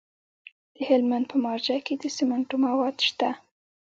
د هلمند په مارجه کې د سمنټو مواد شته.